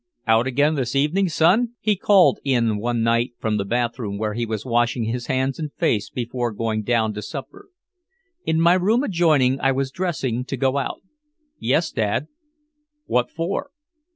"Out again this evening, son?" he called in one night from the bathroom where he was washing his hands and face before going down to supper. In my room adjoining I was dressing to go out. "Yes, Dad." "What for?"